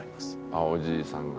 ああおじいさんが。